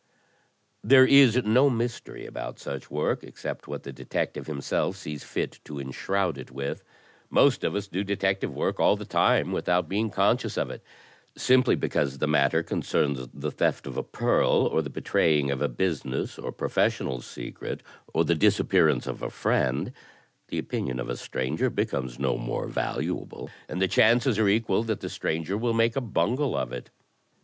"There is no mystery about such work, except what the detective himself sees fit to enshroud it with. Most of us do detective work all the time without being conscious of it. Simply because the matter concerns the theft of a pearl, or the betraying of a business or professional secret, or the dis appearance of a friend, the opinion of a stranger becomes no more valuable. And the chances are equal that the stranger will make a bimgle of it.